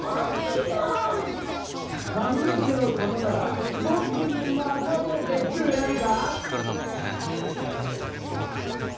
かみのけのことならぼくにまかせてくれないか？